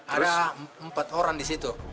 ada empat orang di situ